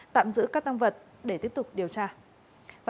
tạm giữ các tăng vật để tiếp tục điều tra